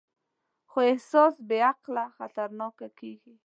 خو احساس بېعقله خطرناک کېږي.